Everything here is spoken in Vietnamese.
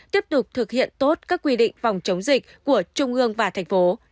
tiếp tục thực hiện tốt các quy định phòng chống dịch của trung ương và thành phố